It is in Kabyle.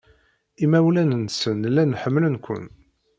Imawlan-nsen llan ḥemmlen-ken.